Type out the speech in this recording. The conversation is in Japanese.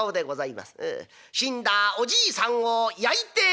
死んだおじいさんを焼いて』」。